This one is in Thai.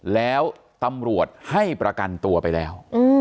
แล้วตำรวจให้ประกันตัวไปแล้ว